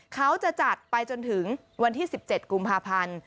เขาจะจัดไปจนถึงวันที่๑๗กุมภาพันธ์